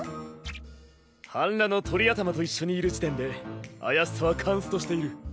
半裸の鳥頭と一緒にいる時点で怪しさはカンストしている。